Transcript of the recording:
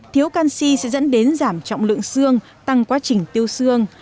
thiếu canxi sẽ dẫn đến giảm trọng lượng xương tăng quá trình tiêu xương